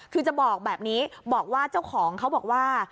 คือจะบอกแบบนี้บอกว่าเจ้าของเขาบอกว่า